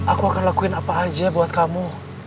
aku akan lakuin apa aja buat kamu